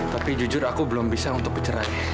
tapi jujur aku belum bisa untuk pencerah